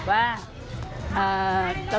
ค่ะครับ